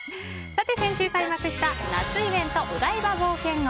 先週開幕した夏イベントお台場冒険王。